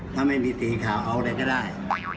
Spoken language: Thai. ถ้าไม่มีตีขาวเอาอะไรก็ได้